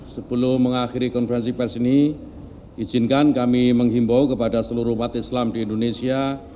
sebelum mengakhiri konferensi pers ini izinkan kami menghimbau kepada seluruh umat islam di indonesia